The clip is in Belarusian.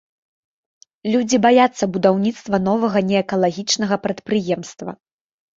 Людзі баяцца будаўніцтва новага не экалагічнага прадпрыемства.